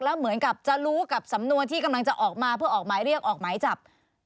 แล้วเหมือนกับจะรู้กับสำนวนที่กำลังจะออกมาเพื่อออกหมายเรียกออกหมายจับ